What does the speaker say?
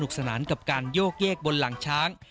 สนานกับการโยกแยกบนหลังช้าง